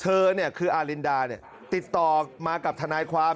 เธอเนี่ยคืออารินดาเนี่ยติดต่อมากับทนายความ